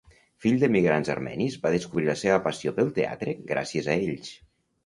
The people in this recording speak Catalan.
Fill d'emigrants armenis, va descobrir la seva passió pel teatre gràcies a ells.